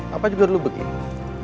apa juga dulu begini